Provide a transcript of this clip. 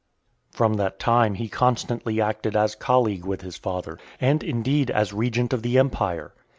VI. From that time he constantly acted as colleague with his father, and, indeed, as regent of the empire.